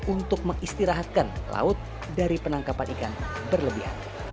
untuk mengistirahatkan laut dari penangkapan ikan berlebihan